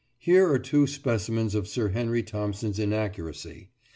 Here are two specimens of Sir Henry Thompson's inaccuracy.